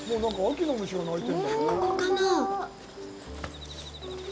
ここかな？